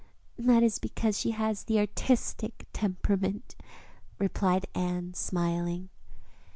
'" "That is because she has the artistic temperament," replied Anne, smiling.